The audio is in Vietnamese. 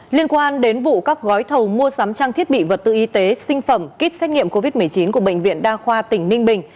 liên quan đến vụ các gói thầu mua sắm trang thiết bị vật tư y tế sinh phẩm kit xét nghiệm covid một mươi chín của bệnh viện đa khoa tỉnh ninh bình